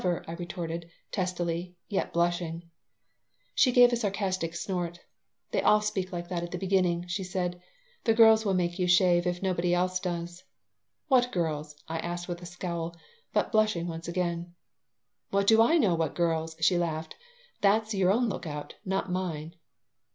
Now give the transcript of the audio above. I retorted, testily, yet blushing She gave a sarcastic snort. "They all speak like that at the beginning," she said. "The girls will make you shave if nobody else does." "What girls?" I asked, with a scowl, but blushing once again "What do I know what girls?" she laughed. "That's your own lookout, not mine."